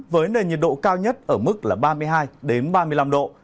với nền nhiệt độ cao nhất ở mức là ba mươi hai ba mươi năm độ